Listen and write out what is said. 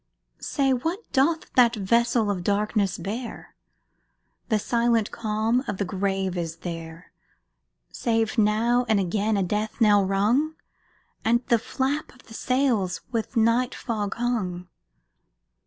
Say, what doth that vessel of darkness bear? The silent calm of the grave is there, Save now and again a death knell rung, And the flap of the sails with night fog hung.